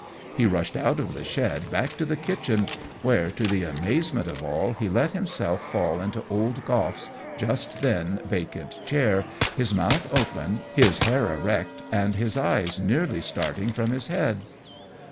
He rushed out of the shed back to the kitchen, where, to the amazement of all, he let himself fall into old Goff's, just then, vacant chair, his mouth open, his hair erect, and his eyes nearly starting from his head.